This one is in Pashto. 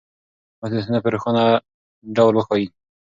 محدودیتونه په روښانه ډول وښایئ.